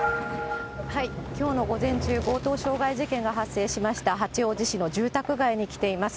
きょうの午前中、強盗傷害事件が発生しました八王子市の住宅街に来ています。